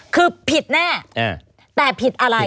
คือผิดแน่แต่ผิดอะไร